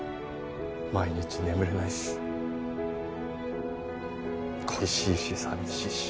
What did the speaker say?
毎日眠れないし恋しいし寂しいし。